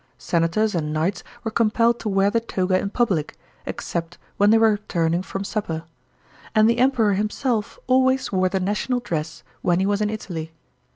Senators and knights were compelled to wear the toga in public, except when they were returning from supper ; and the Emperor himself always wore the national dress when he was in Italy.